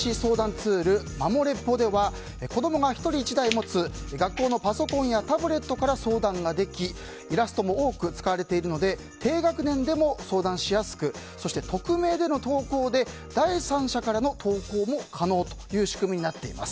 ツールマモレポでは子供が１人１台持つ学校のパソコンやタブレットから相談ができイラストも多く使われているので低学年でも相談しやすくそして匿名での投稿で第三者からの投稿も可能という仕組みになっています。